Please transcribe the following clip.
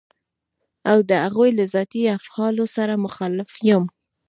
او د هغوی له ذاتي افعالو سره مخالف يم.